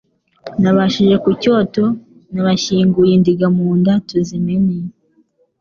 N'ababishe ku cyoto N'abashyinguye indiga mu nda tuzimene.